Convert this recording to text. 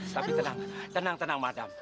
tapi tenang tenang tenang madam